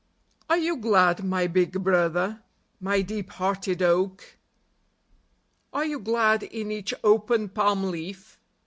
Are you glad, my big brother, my deep hearted oak ? Are you glad in each open palm leaf